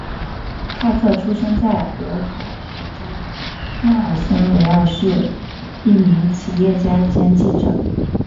帕克出生在俄亥俄州奈尔森维尔是一名企业家兼记者。